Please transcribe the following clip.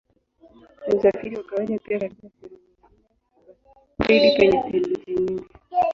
Ni usafiri wa kawaida pia katika sehemu nyingine baridi penye theluji nyingi.